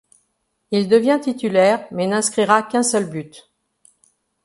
Il devient titulaire mais n'inscrira qu'un seul but.